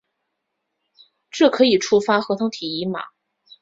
这可以触发核糖体移码。